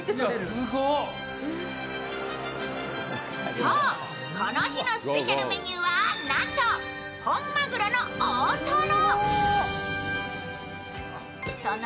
そう、この日のスペシャルメニューはなんと、本マグロの大トロ。